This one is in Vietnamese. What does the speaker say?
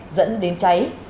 dẫn đến cháy